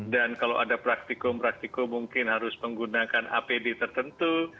dan kalau ada praktikum praktikum mungkin harus menggunakan apd tertentu